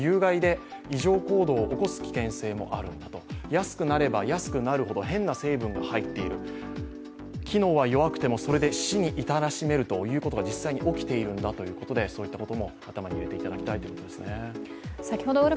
安くなれば安くなるほど変な成分が入っている機能は弱くてもそれが死に至らしめるということも実際に起きているんだということも頭に入れていただきたいですね。